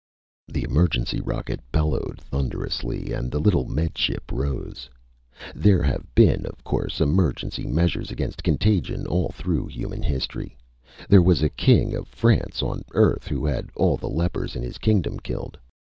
The emergency rocket bellowed thunderously and the little Med Ship rose. There have been, of course, emergency measures against contagion all through human history. There was a king of France, on Earth, who had all the lepers in his kingdom killed.